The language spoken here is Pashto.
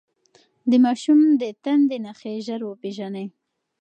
د ماشوم د تنده نښې ژر وپېژنئ.